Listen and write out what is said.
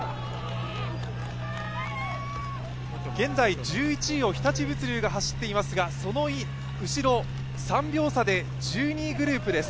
現在、１１位を日立物流が走っていますがその後ろ、３秒差で１２位グループです。